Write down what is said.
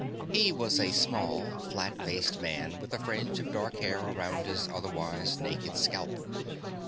He was a small, flat faced man with a fringe of dark hair around his otherwise naked scalp.